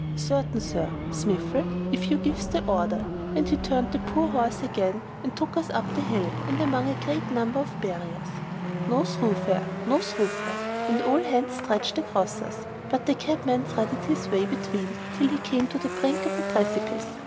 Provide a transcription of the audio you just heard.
"Certain, Sir, Smiffle, if you gives the order;" and he turned the poor horse again, and took us up the hill, and among a great number of barriers. "No thoroughfare," "No thoroughfare," on all hands stretched across us; but the cabman threaded his way between, till he came to the brink of a precipice.